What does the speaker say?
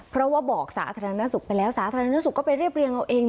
เพราะว่าบอกสาธารณสุขไปแล้วสาธารณสุขก็ไปเรียบเรียงเอาเอง